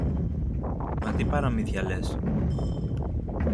Μα τι παραμύθια λες!